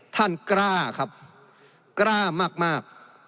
ท่านกล้าครับกล้ามาก